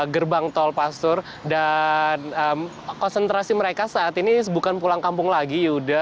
gerbang tol pasur dan konsentrasi mereka saat ini bukan pulang kampung lagi yuda